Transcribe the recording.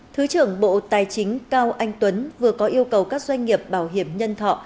thứ trưởng bộ tài chính cao anh tuấn vừa có yêu cầu các doanh nghiệp bảo hiểm nhân thọ